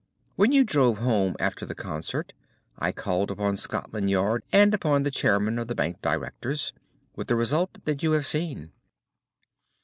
When you drove home after the concert I called upon Scotland Yard and upon the chairman of the bank directors, with the result that you have seen."